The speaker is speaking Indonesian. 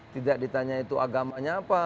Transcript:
tidak ditanya itu agamanya apa